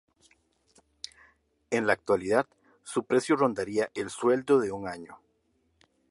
En la actualidad, su precio rondaría el sueldo de un año.